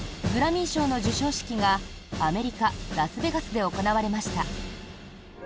グラミー賞の授賞式がアメリカ・ラスベガスで行われました。